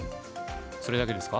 それだけですか？